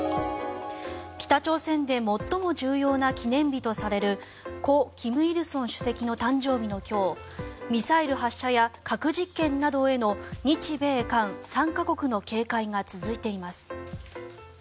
北朝鮮で最も重要な記念日とされる故・金日成主席の誕生日の今日ミサイル発射や核実験などへの日米韓３か国への警戒が続いています。